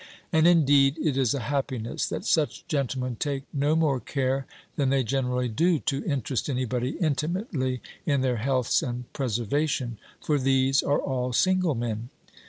And, indeed, it is a happiness, that such gentlemen take no more care than they generally do, to interest any body intimately in their healths and preservation; for these are all single men.